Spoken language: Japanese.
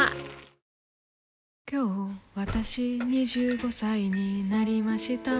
今日わたし、２５歳になりました。